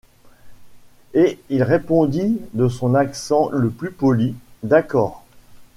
Et il répondit de son accent le plus poli: — D’accord.